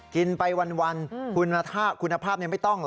กินไปวันคุณภาพไม่ต้องเหรอ